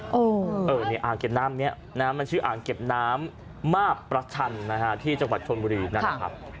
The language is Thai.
เนี่ยอ่างเก็บน้ำเนี่ยนะมันชื่ออ่างเก็บน้ำมาประชันที่จังหวัดชนบุรีนะครับ